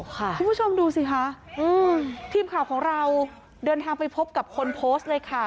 คุณผู้ชมดูสิคะทีมข่าวของเราเดินทางไปพบกับคนโพสต์เลยค่ะ